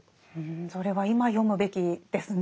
それは今読むべきですね。